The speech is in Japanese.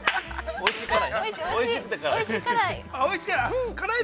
◆おいしい、辛い。